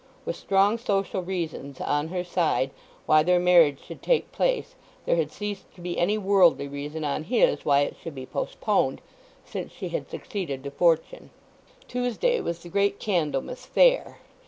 With strong social reasons on her side why their marriage should take place there had ceased to be any worldly reason on his why it should be postponed, since she had succeeded to fortune. Tuesday was the great Candlemas fair.